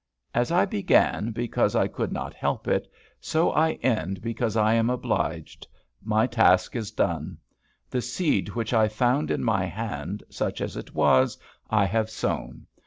As I began because I could not help it, so I end because I am obliged. My task is done. The seed which I found in my hand, such as it was, I have sown.